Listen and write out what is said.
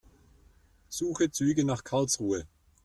Suche Züge nach Karlsruhe.